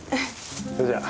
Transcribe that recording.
それじゃ。